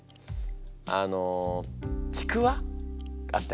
あのちくわあったでしょ？